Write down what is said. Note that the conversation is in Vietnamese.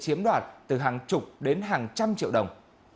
công an đã bị chiếm đoạt từ hàng chục đến hàng trăm triệu đồng